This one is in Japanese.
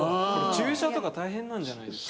・駐車とか大変なんじゃないですか？